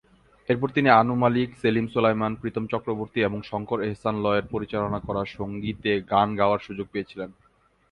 এরপর তিনি অনু মালিক, সেলিম-সোলায়মান, প্রীতম চক্রবর্তী এবং শঙ্কর-এহসান-লয়ের পরিচালনা করা সঙ্গীতে গান গাওয়ার সুযোগ পেয়েছিলেন।